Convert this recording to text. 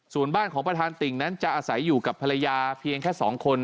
ส่วนบ้านของประธานติ่งนั้นจะอาศัยอยู่กับภรรยาเพียงแค่๒คน